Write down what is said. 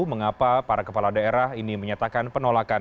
mengapa para kepala daerah ini menyatakan penolakan